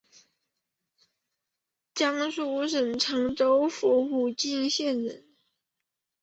江苏省常州府武进县人。